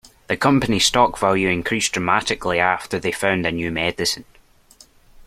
The company's stock value increased dramatically after they found a new medicine.